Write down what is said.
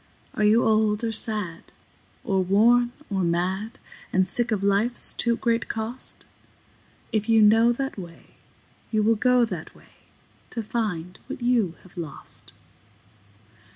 Are you old or sad or worn or mad, And sick of life's too great cost? If you know that way, you will go that way, To find what you have lost.